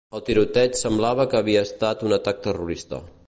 El tiroteig semblava que havia estat un atac terrorista.